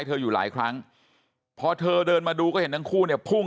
อยู่หลายครั้งพอเธอเดินมาดูก็เห็นทั้งคู่เนี่ยพุ่ง